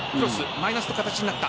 マイナスの形になった。